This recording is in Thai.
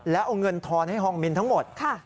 แล้วเอาเงินทอนให้ฮองมินทั้งหมด